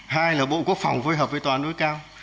hai là bộ quốc phòng phối hợp với tòa án đối cao